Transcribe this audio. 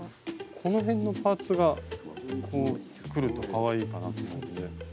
この辺のパーツがこうくるとかわいいかなと思うんで。